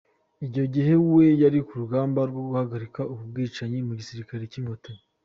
Icyo gihe, we yari ku rugamba rwo guhagarika ubu bwicanyi mu gisirikare cy’Inkotanyi.